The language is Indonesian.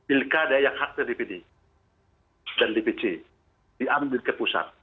pilkada yang haknya dpd dan dpc diambil ke pusat